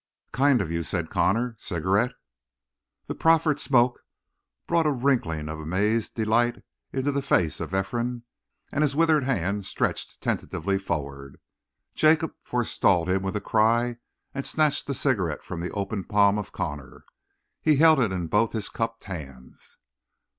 "Kind of you," said Connor. "Cigarette?" The proffered smoke brought a wrinkling of amazed delight into the face of Ephraim and his withered hand stretched tentatively forth. Jacob forestalled him with a cry and snatched the cigarette from the open palm of Connor. He held it in both his cupped hands.